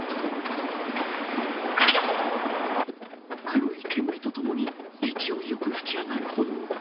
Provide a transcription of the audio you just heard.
黒い煙とともに勢いよく噴き上がる炎。